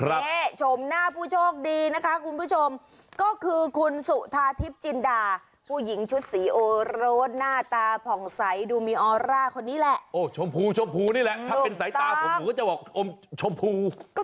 อ่ะนี่เจ้าแสดงเวทเธออ้อเลร่ะโหชมพูนี้แหละถ้าเป็นสายตาของมูก็จะบอกโชมพู